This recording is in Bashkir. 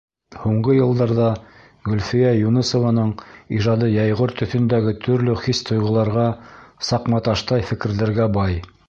Һуңғы йылдарҙа Гөлфиә Юнысованың ижады йәйғор төҫөндәге төрлө хис-тойғоларға, саҡматаштай фекерҙәргә бай.